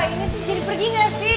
ini tuh jadi pergi gak sih